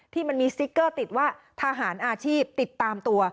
มันมีสติ๊กเกอร์ติดว่าทหารอาชีพติดตามตัว